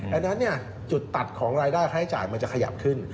อันนั้นจุดตัดของรายได้ค่าใช้จ่ายมันจะขยับขึ้น